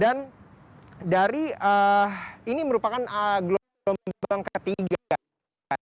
dan dari ini merupakan aglom aglom ketiga